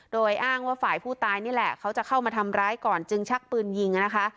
โดยอ้างว่าฝ่ายผู้ตายนี่แหละเขาจะเข้ามาทำร้ายก่อนจึงชักปืนยิงนะคะ